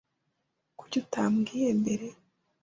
Kuki utambwiye mbere?